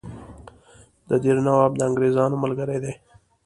د دیر نواب د انګرېزانو ملګری دی.